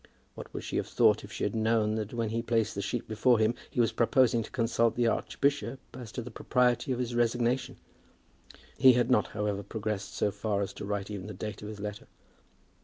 What would she have thought had she known that when he placed the sheet before him he was proposing to consult the archbishop as to the propriety of his resignation! He had not, however, progressed so far as to write even the date of his letter.